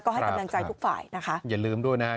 ให้กำลังใจทุกฝ่ายนะคะอย่าลืมด้วยนะฮะ